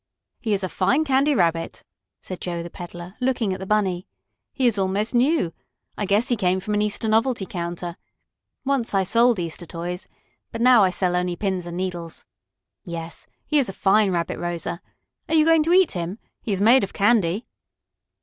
"He is a fine Candy Rabbit," said Joe, the peddler, looking at the Bunny. "He is almost new. I guess he came from an Easter novelty counter. Once I sold Easter toys, but now I sell only pins and needles. Yes, he is a fine Rabbit, Rosa. Are you going to eat him? He is made of candy."